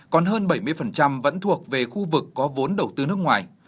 còn hơn bảy mươi vẫn thuộc về khu vực có vốn đầu tư nước ngoài